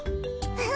うん。